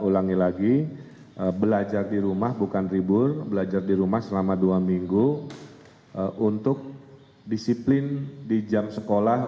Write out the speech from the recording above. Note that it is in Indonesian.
ulangi lagi belajar di rumah bukan libur belajar di rumah selama dua minggu untuk disiplin di jam sekolah